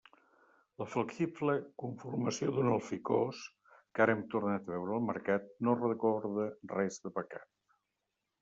La flexible conformació d'un alficòs, que ara hem tornat a veure al mercat, no recorda res de pecat.